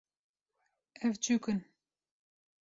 Ev çûk in